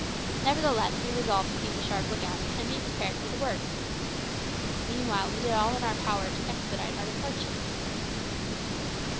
Nevertheless we resolved to keep a sharp lookout, and be prepared for the worst. Meanwhile we did all in our power to expedite our departure.